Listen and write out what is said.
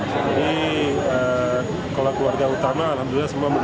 jadi kalau keluarga utama alhamdulillah semua mendukung